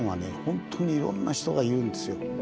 ほんとにいろんな人がいるんですよ。